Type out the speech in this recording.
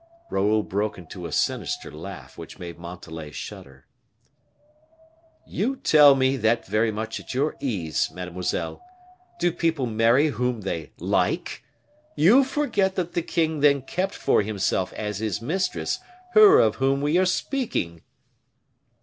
Raoul broke into a sinister laugh, which made Montalais shudder. "You tell me that very much at your ease, mademoiselle. Do people marry whom they like? You forget that the king then kept for himself as his mistress her of whom we are speaking."